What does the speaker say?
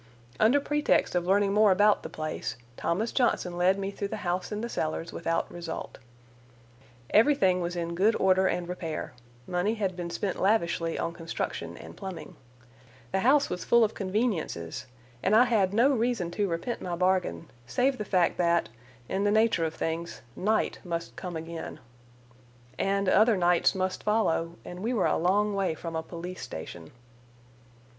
Under pretext of learning more about the place, Thomas Johnson led me through the house and the cellars, without result. Everything was in good order and repair; money had been spent lavishly on construction and plumbing. The house was full of conveniences, and I had no reason to repent my bargain, save the fact that, in the nature of things, night must come again. And other nights must follow—and we were a long way from a police station.